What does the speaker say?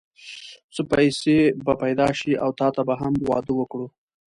څو پيسې به پيدا شي او تاته به هم واده وکړو.